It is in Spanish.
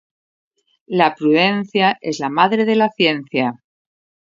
La prudencia es la madre de la ciencia.